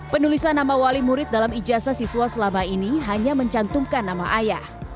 penulisan nama wali murid dalam ijazah siswa selama ini hanya mencantumkan nama ayah